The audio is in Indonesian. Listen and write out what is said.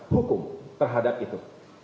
hukum terhadap itu